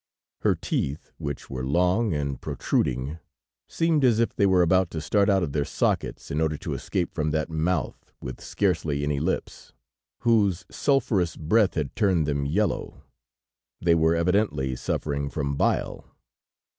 Her teeth, which were long and protruding, seemed as if they were about to start out of their sockets in order to escape from that mouth with scarcely any lips, whose sulphurous breath had turned them yellow. They were evidently suffering from bile.